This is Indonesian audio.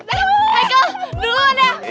eh michael duluan ya